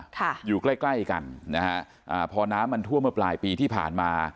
ค่ะอยู่ใกล้ใกล้กันนะฮะอ่าพอน้ำมันทั่วเมื่อปลายปีที่ผ่านมา